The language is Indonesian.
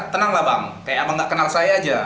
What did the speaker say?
tenanglah bang kayak abang nggak kenal saya aja